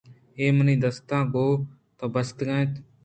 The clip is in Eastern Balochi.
اے منی دستاں گوں تو بستگ اَنت